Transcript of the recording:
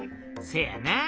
せやな。